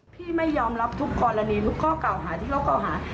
พี่ไม่ยอมรับทุกกรณีพี่ก้าวหาที่ก้าวหา